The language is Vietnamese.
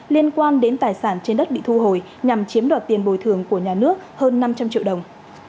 liên quan đến tài sản trên đất bị thu hồi nhằm chiếm đoạt tiền bồi thường của nhà nước hơn năm trăm linh triệu đồng